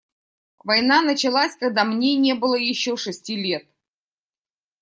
Война началась, когда мне не было еще шести лет.